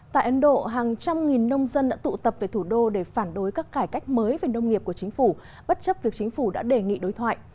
tại ấn độ hàng trăm nghìn nông dân đã tụ tập về thủ đô để phản đối các cải cách mới về nông nghiệp của chính phủ bất chấp việc chính phủ đã đề nghị đối thoại